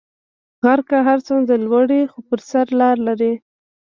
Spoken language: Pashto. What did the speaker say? غر که هر څونده لوړ یی خو پر سر لاره لری